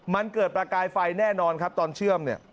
มันเกิดประกายไฟแน่นอนครับตอนเชื่อมเนี่ย